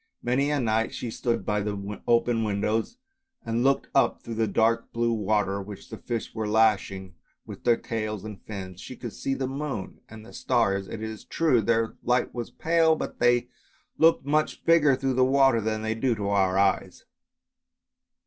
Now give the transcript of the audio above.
Many a night she stood by the open windows and looked up through the dark blue water which the fish were lashing with their tails and fins. She could see the moon and the stars, it is true, their light was pale, but they looked much bigger through the water than they do to our eyes.